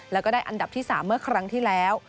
แล้วก็ได้อันดับที่๓เมื่อครั้งที่แล้ว